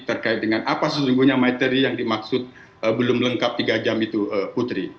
terkait dengan apa sesungguhnya materi yang dimaksud belum lengkap tiga jam itu putri